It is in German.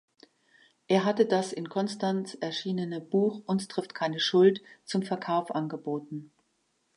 Er hatte das in Konstanz erschienene Buch "Uns trifft keine Schuld" zum Verkauf angeboten.